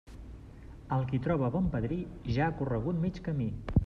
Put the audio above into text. El qui troba bon padrí, ja ha corregut mig camí.